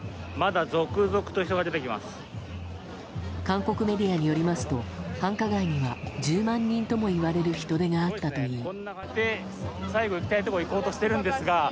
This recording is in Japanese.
韓国メディアによりますと繁華街には１０万人ともいわれる人出があったといい。